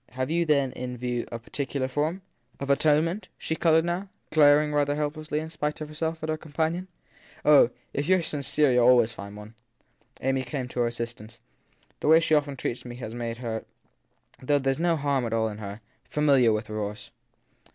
Have you then in view a particular form ? Of atonement ? She coloured now, glaring rather help lessly, in spite of herself, at her companion. Oh, if you re sincere you ll always find one. Amy came to her assistance. The way she often treats me has made her though there s after all no harm in her fa miliar with remorse.